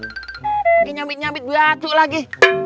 lagi nyambit nyambit beratu lagi